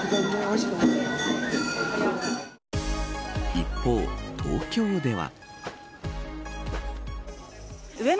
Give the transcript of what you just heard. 一方、東京では。